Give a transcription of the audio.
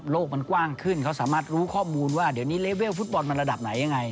มันกว้างขึ้นเขาสามารถรู้ข้อมูลว่าเดี๋ยวนี้เลเวลฟุตบอลมันระดับไหนยังไง